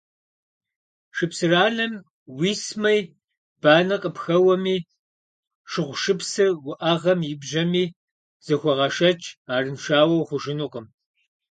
- Шыпсыранэм уисми, банэ къыпхэуэми, шыгъушыпсыр уӏэгъэм ибжьэми, зыхуэгъэшэч, арыншауэ ухъужынукъым.